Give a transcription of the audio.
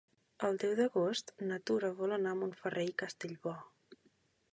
El deu d'agost na Tura vol anar a Montferrer i Castellbò.